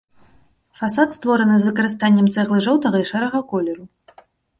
Фасад створаны з выкарыстаннем цэглы жоўтага і шэрага колеру.